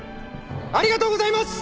ありがとうございます！